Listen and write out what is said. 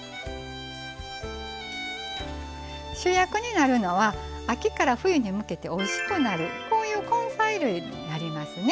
主役になるのは秋から冬に向けておいしくなる根菜類になりますね。